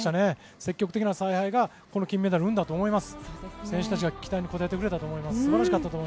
積極的な采配が金メダルを生んだと思います。